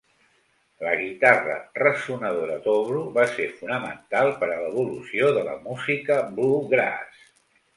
La guitarra ressonadora Dobro va ser fonamental per a l'evolució de la música bluegrass.